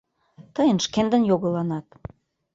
— Тыйын шкендын йогыланат!